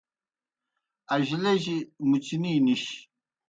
اجلِجیْ مُچنی نِش۔